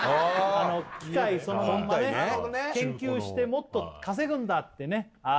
あの機械そのものね研究してもっと稼ぐんだってねああ